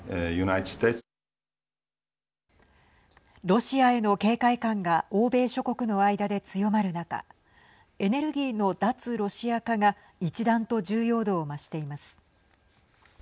ロシアへの警戒感が欧米諸国の間で強まる中エネルギーの脱ロシア化が一段と重要度を増しています。